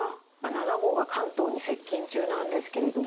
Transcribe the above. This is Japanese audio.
７号が関東に接近中なんですけれども。